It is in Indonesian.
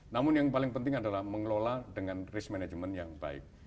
namun yang paling penting adalah mengelola dengan risk management yang baik